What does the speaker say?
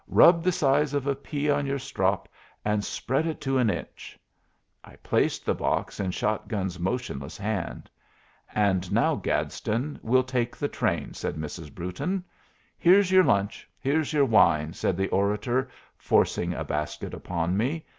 Rub the size of a pea on your strop and spread it to an inch." I placed the box in Shot gun's motionless hand. "And now, Gadsden, we'll take the train," said Mrs. Brewton. "Here's your lunch! Here's your wine!" said the orator, forcing a basket upon me.